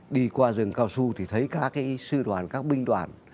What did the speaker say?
đi qua rừng cao xu thì thấy các sư đoàn các binh đoàn